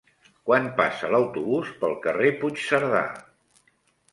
Quan passa l'autobús pel carrer Puigcerdà?